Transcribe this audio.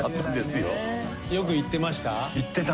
よく行ってました？